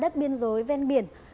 đất biên giới ven biển